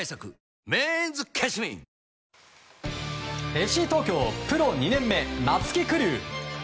ＦＣ東京プロ２年目、松木玖生。